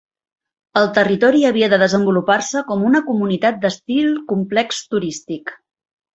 El territori havia de desenvolupar-se com una comunitat d'estil complex turístic.